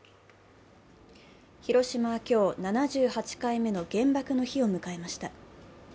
広島は今日、７８回目の原爆の日を迎えました。